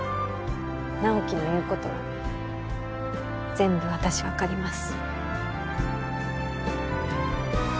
直木の言うことは全部私分かります